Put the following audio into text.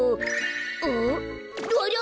あありゃ！